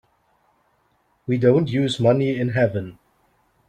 We don't use money in heaven.